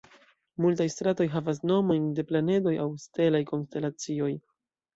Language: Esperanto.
Multaj stratoj havas nomojn de planedoj aŭ stelaj konstelacioj.